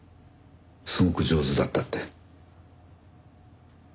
すごく上手だったって。